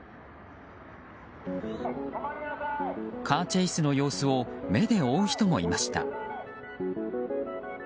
カーチェイスの様子を目で追う人もいました。